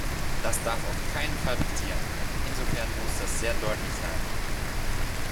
Das darf auf keinen Fall passieren, und insofern muss das sehr deutlich sein!